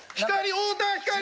太田光？